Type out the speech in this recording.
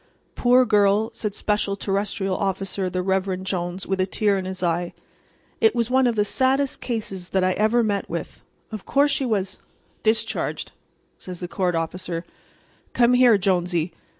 "Poor girl," said Special Terrestrial Officer the Reverend Jones, with a tear in his eye. "It was one of the saddest cases that I ever met with. Of course she was"— "Discharged," said the court officer. "Come here, Jonesy.